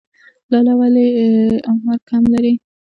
لاله ولې عمر کم لري؟